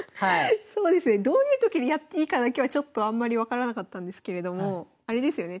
そうですねどういう時にやっていいかだけはちょっとあんまり分からなかったんですけれどもあれですよね